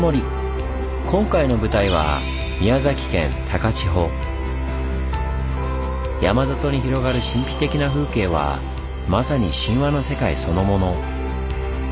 今回の舞台は山里に広がる神秘的な風景はまさに神話の世界そのもの。